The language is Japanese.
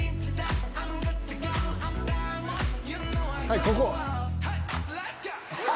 はいここ。